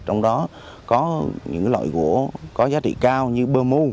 trong đó có những loại gỗ có giá trị cao như bơ mu